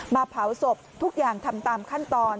เผาศพทุกอย่างทำตามขั้นตอน